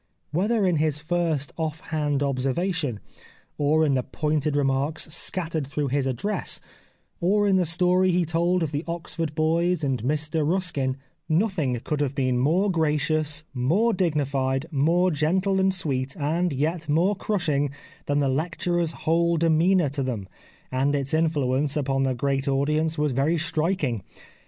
Whether in his first off hand observation, or in the pointed remarks scattered through his address, or in the story he told of the Oxford boys and Mr Ruskin, nothing 203 The Life of Oscar Wilde could have been more gracious, more dignified, more gentle and sweet, and yet more crushing, than the lecturer's whole demeanour to them, and its influence upon the great audience was very striking.